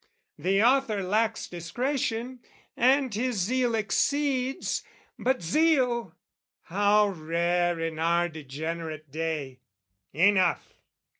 The author lacks Discretion, and his zeal exceeds: but zeal, How rare in our degenerate day! Enough!